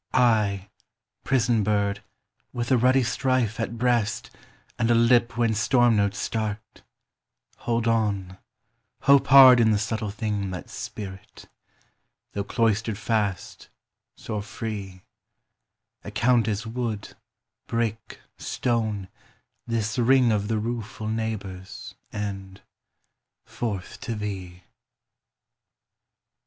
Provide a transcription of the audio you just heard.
I prison bird, with a ruddy strife At breast, and a lip whence storm notes start 20 Hold on, hope hard in the subtle thing That's spirit: tho' cloistered fast, soar free; Account as wood, brick, stone, this ring Of the rueful neighbours, and forth to thee!